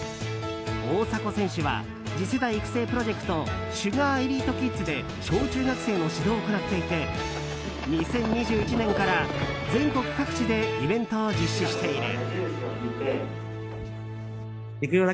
大迫選手は次世代育成プロジェクトＳｕｇａｒＥｌｉｔｅＫＩＤｓで小中学生の指導を行っていて２０２１年から全国各地でイベントを実施している。